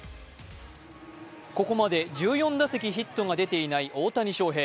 ここまで１４打席ヒットが出ていない大谷翔平。